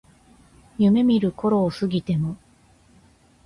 夢見る頃を過ぎても